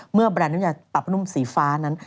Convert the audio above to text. เมื่อแบรนด์น้ำยาปรับผ้านุ่มสีฟ้านั้น